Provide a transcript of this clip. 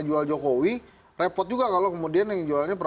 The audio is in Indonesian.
rac precision eh tidak ada yang ketentuan